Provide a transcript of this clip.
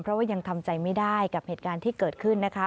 เพราะว่ายังทำใจไม่ได้กับเหตุการณ์ที่เกิดขึ้นนะคะ